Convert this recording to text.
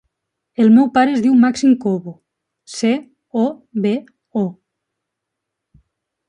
El meu pare es diu Màxim Cobo: ce, o, be, o.